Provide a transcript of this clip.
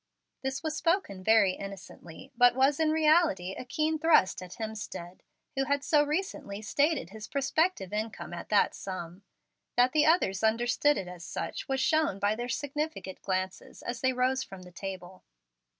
This was spoken very innocently, but was in reality a keen thrust at Hemstead, who had so recently stated his prospective income at that sum. That the others understood it as such was shown by their significant glances, as they rose from the table.